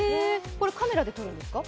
カメラで撮るんですか？